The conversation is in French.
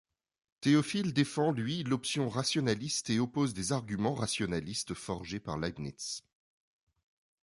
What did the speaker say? Théophile défend lui l'option rationaliste et oppose des arguments rationalistes forgés par Leibniz.